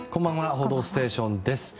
「報道ステーション」です。